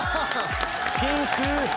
ピンク！